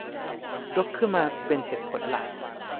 ยกขึ้นมาเป็นเหตุผลหลัก